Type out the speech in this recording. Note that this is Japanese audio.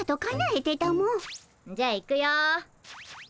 じゃあ行くよ。